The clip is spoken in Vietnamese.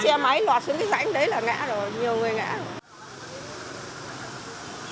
đi xe máy lọt xuống cái rãnh đấy là ngã rồi nhiều người ngã rồi